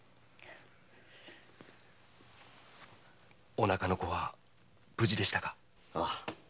おなかの子は無事でしたか？